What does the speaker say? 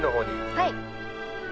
はい。